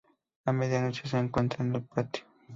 A medianoche, se encuentran en el patio.